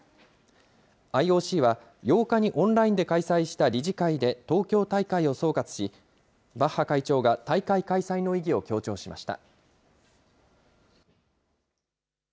ＩＯＣは、８日にオンラインで開催した理事会で東京大会を総括し、バッハ会長が大会開催の意義を強調しました。